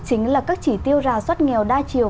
chính là các chỉ tiêu rà soát nghèo đa chiều